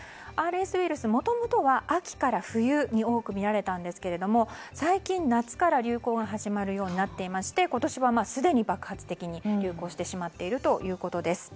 ＲＳウイルスもともとは秋から冬に多く見られたんですが最近、夏から流行が始まるようになっていまして今年はすでに爆発的に流行してしまってるということです。